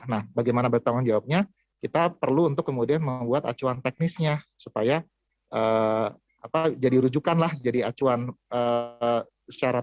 nah bagaimana bertanggung jawabnya kita perlu untuk kemudian membuat acuan teknisnya supaya jadi rujukan lah jadi acuan secara